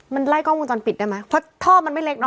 มันไล่กล้องวงจรปิดได้ไหมเพราะท่อมันไม่เล็กเนา